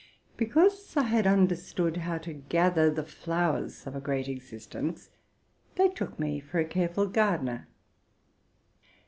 Because I had understood how to gather the flowers of a great existence, they took me fora careful gardener.